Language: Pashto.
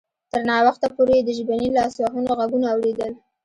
تر ناوخته پورې یې د ژبني لاسوهنو غږونه اوریدل